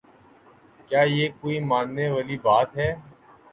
کیا یہ کوئی ماننے والی بات ہے؟